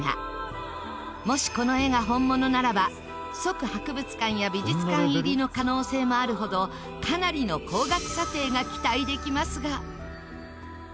もしこの絵が本物ならば即博物館や美術館入りの可能性もあるほどかなりの高額査定が期待できますが。